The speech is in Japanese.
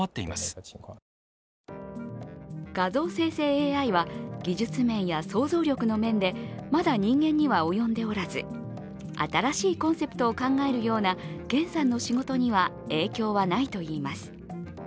ＡＩは技術面や想像力の面でまだ人間には及んでおらず、新しいコンセプトを考えるような阮さんの仕事には影響はないといいます。